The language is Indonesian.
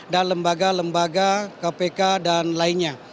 dan lembaga lembaga kpk dan lainnya